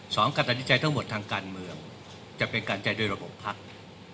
การตัดสินใจทั้งหมดทางการเมืองจะเป็นการใจโดยระบบภักดิ์